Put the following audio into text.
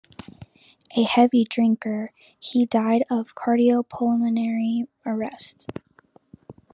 A heavy drinker, he died of cardiopulmonary arrest.